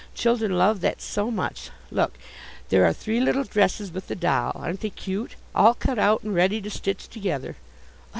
Children love that so much. Look, there are three little dresses with the doll, aren't they cute? All cut out and ready to stitch together."